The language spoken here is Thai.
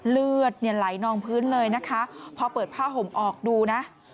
เลือดเนี่ยไหลนองพื้นเลยนะคะพอเปิดผ้าห่มออกดูนะ